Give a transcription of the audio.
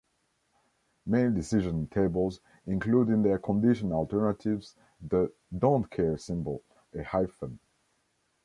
Many decision tables include in their condition alternatives the don't care symbol, a hyphen.